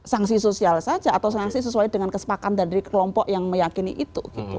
sanksi sosial saja atau sanksi sesuai dengan kesepakan dari kelompok yang meyakini itu